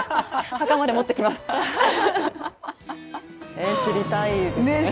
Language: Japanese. え知りたいですね。